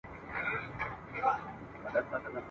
له پېړیو د نړۍ کاروان تیریږي !.